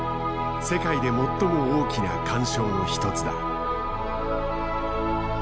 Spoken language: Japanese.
世界で最も大きな環礁の一つだ。